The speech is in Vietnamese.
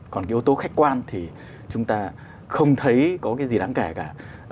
còn cái yếu tố khách quan thì chúng ta không thấy có cái gì đáng kể cả